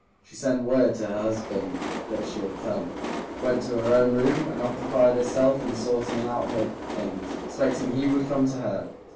She sent word to her husband that she had come, went to her own room, and occupied herself in sorting out her things, expecting he would come to her.